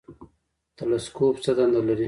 تلسکوپ څه دنده لري؟